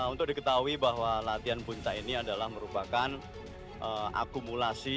untuk diketahui bahwa latihan puncak ini adalah merupakan akumulasi